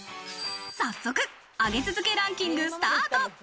早速、上げ続けランキングスタート。